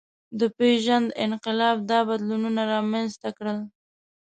د پېژند انقلاب دا بدلونونه رامنځ ته کړل.